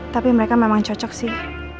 tapi mereka memang cocok sih